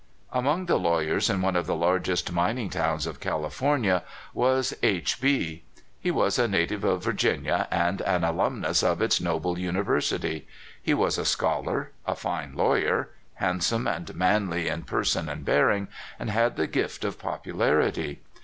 Among the lawyers in one of the largest mining towns of California was H. B . He was a na tive of Virginia, and an alumnus of its noble uni versity. He was a scholar, a fine lawyer, hand some and manl}^ in person and bearing, and had the gift of popularit}'.